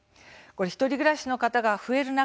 １人暮らしの方が増える中